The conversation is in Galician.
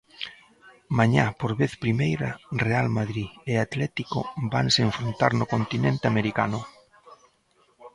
Mañá por vez primeira, Real Madrid e Atlético vanse enfrontar no continente americano.